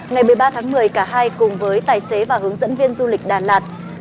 ngày một mươi ba tháng một mươi cả hai cùng với tài xế và hướng dẫn viên du lịch đà lạt